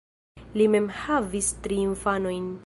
Li mem havis tri infanojn.